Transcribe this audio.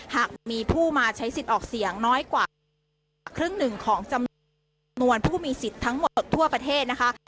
หากมีผู้มาใช้สิทธิ์ออกเสียงน้อยกว่าครึ่งหนึ่งของจำนวนผู้มีสิทธิ์ทั้งหมดทั่วประเทศนะคะ